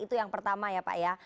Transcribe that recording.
itu yang pertama ya pak ya